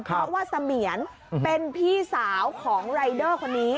เพราะว่าเสมียนเป็นพี่สาวของรายเดอร์คนนี้